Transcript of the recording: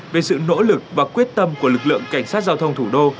về sự nỗ lực và quyết tâm của lực lượng cảnh sát giao thông thủ đô